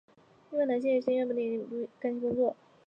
另外男性也有些宁愿醉心工作也不结婚。